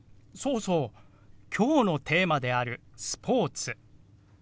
そうそう今日のテーマである「スポーツ」。